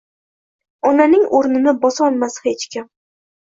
Onaning urnini bosolmas xechkim